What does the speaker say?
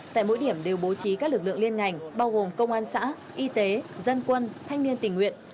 tại mỗi điểm đều bố trí các lực lượng liên ngành bao gồm công an xã y tế dân quân thanh niên tình nguyện